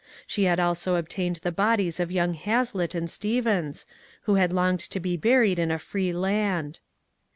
She had also obtained the bodies of young Hazlitt and Stevens, who had longed to be buried in a free land.